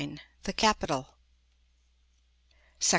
THE CAPITAL. § I.